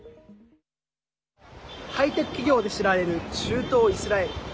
ハイテク企業で知られる中東イスラエル。